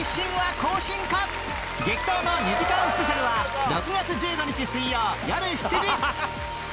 激闘の２時間スペシャルは６月１５日水曜よる７時